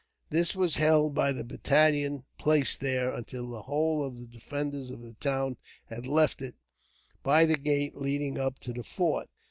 This was held by the battalion placed there, until the whole of the defenders of the town had left it, by the gate leading up to the fort.